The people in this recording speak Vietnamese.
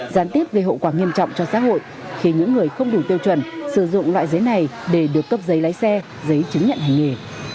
gián tiếp gây hậu quả nghiêm trọng cho xã hội khi những người không đủ tiêu chuẩn sử dụng loại giấy này để được cấp giấy lái xe giấy chứng nhận hành nghề